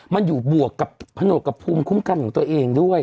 มันอยู่บวกกับผนวกกับภูมิคุ้มกันของตัวเองด้วย